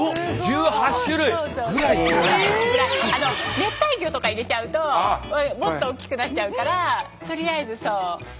熱帯魚とか入れちゃうともっと大きくなっちゃうからとりあえずそう。